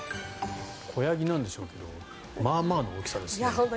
子ヤギなんでしょうけどまあまあの大きさですね。